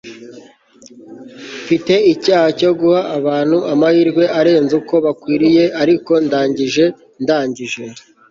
mfite icyaha cyo guha abantu amahirwe arenze uko bakwiriye ariko ndangije, ndangije